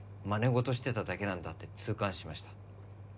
ごとしてただけなんだって痛感しました